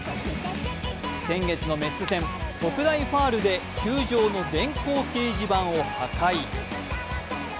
先月のメッツ戦、特大ファウルで球場の電光掲示板を破壊。